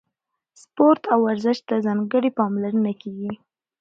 سپورت او ورزش ته ځانګړې پاملرنه کیږي.